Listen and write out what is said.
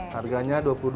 harganya dua puluh dua ribu